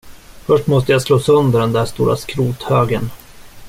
Först måste jag slå sönder den där stora skrothögen!